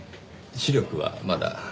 視力はまだ。